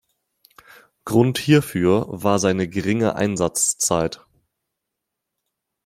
Grund hierfür war seine geringe Einsatzzeit.